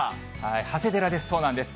長谷寺です、そうなんです。